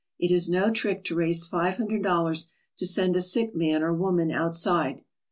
It is no trick to raise five hundred dollars to send a sick man or woman outside.